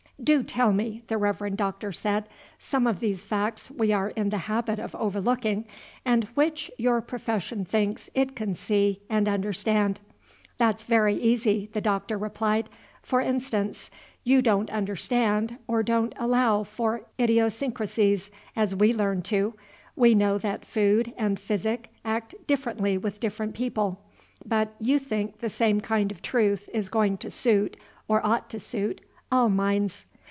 "Do tell me," the Reverend Doctor said, "some of these facts we are in the habit of overlooking, and which your profession thinks it can see and understand." "That's very easy," the Doctor replied. "For instance: you don't understand or don't allow for idiosyncrasies as we learn to. We know that food and physic act differently with different people; but you think the same kind of truth is going to suit, or ought to suit, all minds.